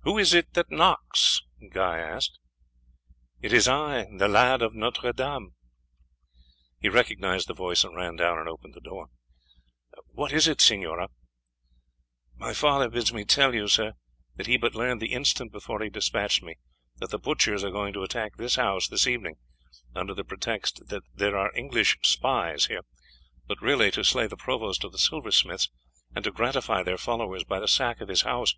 "Who is it that knocks?" he asked. "It is I the lad of Notre Dame." He recognized the voice and ran down and opened the door. "What is it, signora?" "My father bids me tell you, sir, that he but learned the instant before he despatched me that the butchers are going to attack this house this evening, under the pretext that there are English spies here, but really to slay the provost of the silversmiths, and to gratify their followers by the sack of his house.